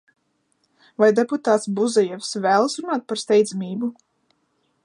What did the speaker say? Vai deputāts Buzajevs vēlas runāt par steidzamību?